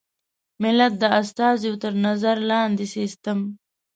ملت د استازیو تر نظر لاندې سیسټم.